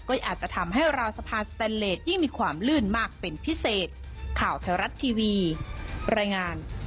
วิจารณ์นี้ถ้าให้ดีก็ดีไหมค่ะ